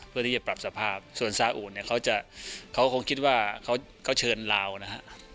เพื่อที่จะปรับสภาพส่วนซาอุเนี่ยเขาจะเขาคงคิดว่าเขาก็เชิญลาวนะฮะ